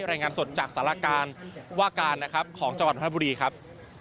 รายงานสดจากสารการว่าการนะครับของจังหวัดพระบุรีครับ